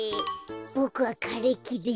ボクはかれきです。